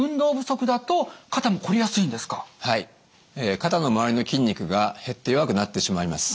肩の周りの筋肉が減って弱くなってしまいます。